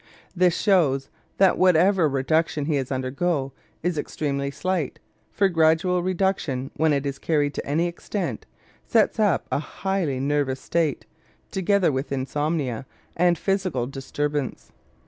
This shows that whatever reduction he has undergone is extremely slight; for gradual reduction, when it is carried to any extent, sets up a highly nervous state, together with insomnia and physical disturbance.